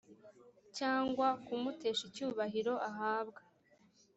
cyangwa kumutesha icyubahiro ahabwa